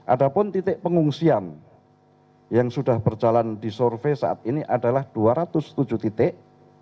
ada pun titik pengungsian yang sudah berjalan disurvey saat ini adalah dua ratus tujuh titik